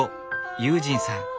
悠仁さん